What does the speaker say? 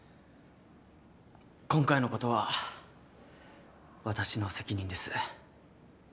今回のことは私の責任です。